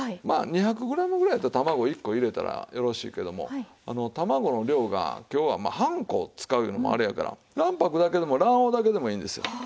まあ２００グラムぐらいやったら卵１個入れたらよろしいけども卵の量が今日は半個使ういうのもあれやから卵白だけでも卵黄だけでもいいんですよ。